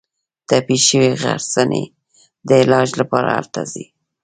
ټپي شوې غرڅنۍ د علاج لپاره هلته ځي.